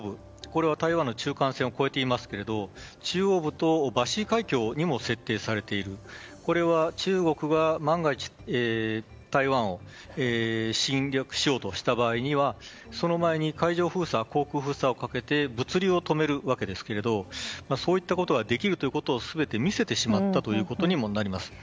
これは台湾の中間線を越えていますが中央部との海峡にも設定されているこれは中国が万が一台湾を侵略しようとした場合にはその前に海上封鎖、航空封鎖をかけて物流を止めるわけですがそういったことができるということを全て見せてしまったということになります。